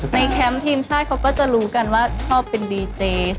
แคมป์ทีมชาติเขาก็จะรู้กันว่าชอบเป็นดีเจส